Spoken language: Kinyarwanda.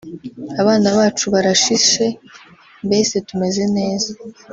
abana bacu barashishe mbese tumeze neza